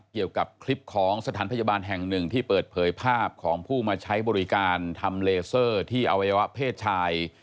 เกี่ยวกับคลิปของสถานพยาบาลแห่งหนึ่งที่เปิดเผยภาพของผู้มาใช้บริการทำเลเซอร์ที่อวัยวะเพศชาย